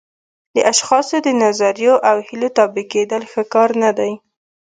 د اشخاصو د نظریو او هیلو تابع کېدل ښه کار نه دی.